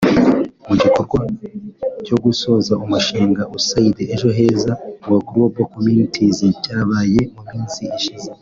Mu gikorwa cyo gusoza umushinga ‘Usaid Ejo Heza’ wa Global Communities cyabaye mu minsi ishize